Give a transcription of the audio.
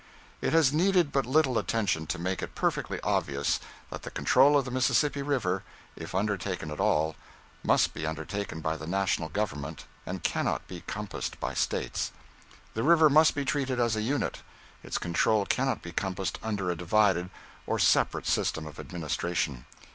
It has needed but little attention to make it perfectly obvious that the control of the Mississippi River, if undertaken at all, must be undertaken by the national government, and cannot be compassed by States. The river must be treated as a unit; its control cannot be compassed under a divided or separate system of administration.